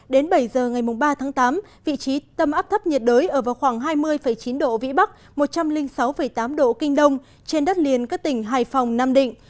đến bảy giờ ngày ba tháng tám vị trí tâm áp thấp nhiệt đới ở vào khoảng hai mươi chín độ vĩ bắc một trăm linh sáu tám độ kinh đông trên đất liền các tỉnh hải phòng nam định